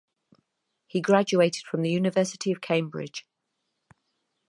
He graduated from the University of Cambridge.